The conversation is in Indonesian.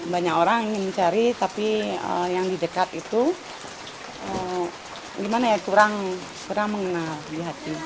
banyak orang yang mencari tapi yang di dekat itu kurang mengenal